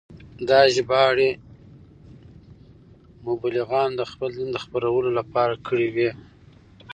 دا ژباړې مبلغانو د خپل دین د خپرولو لپاره کړې وې.